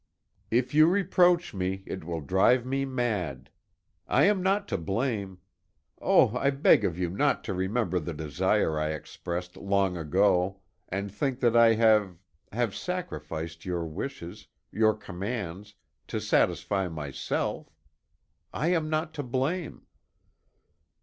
"If you reproach me, it will drive me mad. I am not to blame. Oh, I beg of you not to remember the desire I expressed long ago, and think that I have have sacrificed your wishes your commands, to satisfy myself. I am not to blame."